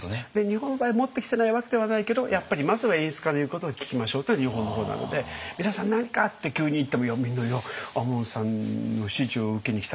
日本の場合持ってきてないわけではないけどやっぱりまずは演出家の言うことを聞きましょうというのが日本の方なので「皆さん何か！」って急に言ってもみんな「いや亞門さんの指示を受けに来たんです」。